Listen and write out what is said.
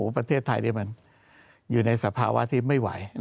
ประเทศไทยมันอยู่ในสภาวะที่ไม่ไหว